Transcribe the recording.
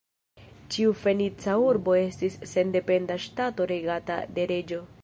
Ĉiu Fenica urbo estis sendependa ŝtato regata de reĝo.